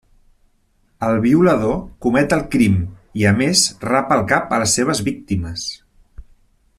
El violador comet el crim i a més rapa el cap a les seves víctimes.